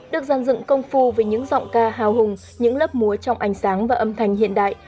được dàn dựng công phu với những giọng ca hào hùng những lớp múa trong ánh sáng và âm thanh hiện đại